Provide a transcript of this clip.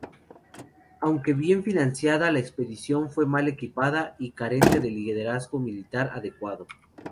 Aunque bien financiada, la expedición fue mal equipada y carente de liderazgo militar adecuado.